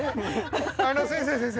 あの先生先生！